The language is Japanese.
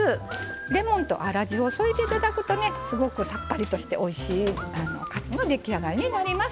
レモンと粗塩を添えていただくとすごくさっぱりとしておいしいカツの出来上がりになります。